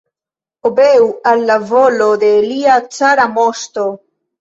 Obeu al la volo de lia cara moŝto!